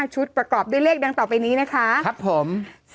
ชุดประกอบด้วยเลขดังต่อไปนี้นะคะครับผม๓๐๒๒๘๗๖๗๑๕๔๑๔๐๓๓๓๕๘๘๖๗๑๙